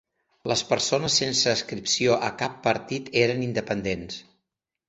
Les persones sense adscripció a cap partit eren independents.